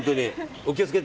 お気をつけて。